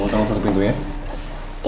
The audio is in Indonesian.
mau tanggung satu pintunya